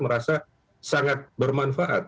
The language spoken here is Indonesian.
merasa sangat bermanfaat